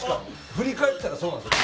振り返ったらそうなんですよ。